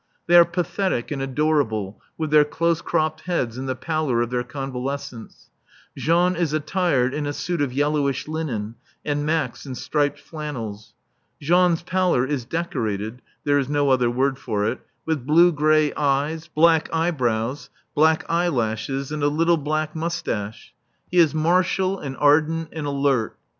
They are pathetic and adorable with their close cropped heads in the pallor of their convalescence (Jean is attired in a suit of yellowish linen and Max in striped flannels). Jean's pallor is decorated (there is no other word for it) with blue grey eyes, black eyebrows, black eyelashes and a little black moustache. He is martial and ardent and alert.